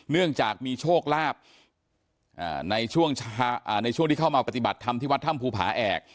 เนื่องจากมีโชคลาภในช่วงที่เข้ามาปฏิบัติธรรมที่วัดถ้ำภูผาแอก